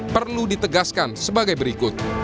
perlu ditegaskan sebagai berikut